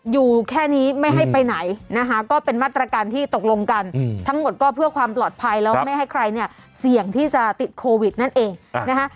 อยู่แค่นี้ไม่ให้ไปไหนนะคะก็เป็นมาตรการที่ตกลงกันทั้งหมดก็เพื่อความปลอดภัยแล้วไม่ให้ใครเนี่ยเสี่ยงที่จะติดโควิดนั่นเองนะคะ